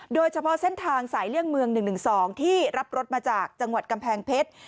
โดยเฉพาะเส้นทางสายเลี่ยงเมือง๑๑๒ที่รับรถมาจากจังหวัดกำแพงเพชร